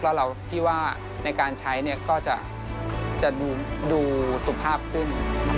แล้วเราคิดว่าในการใช้ก็จะดูสุภาพขึ้น